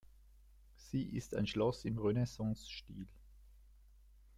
Sie ist ein Schloss im Renaissance-Stil.